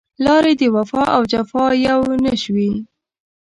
لارې د وفا او جفا يو نه شوې